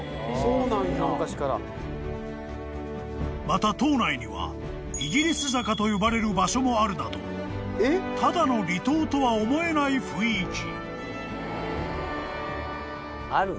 ［また島内にはイギリス坂と呼ばれる場所もあるなどただの離島とは思えない雰囲気］